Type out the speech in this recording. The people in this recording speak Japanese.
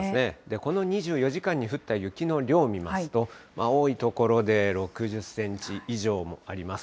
この２４時間に降った雪の量見ますと、多い所で６０センチ以上もあります。